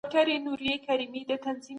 تاسو خپل سیاسي پوهاوی پیاوړی کړئ.